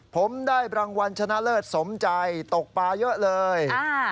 ผมได้รางวัลชนะเลิศสมใจตกปลาเยอะเลย